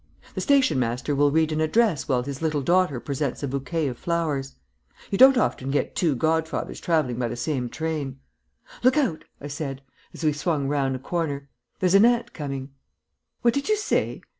The station master will read an address while his little daughter presents a bouquet of flowers. You don't often get two godfathers travelling by the same train. Look out," I said, as we swung round a corner, "there's an ant coming." "What did you say?